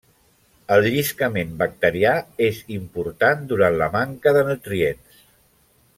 El lliscament bacterià és important durant la manca de nutrients.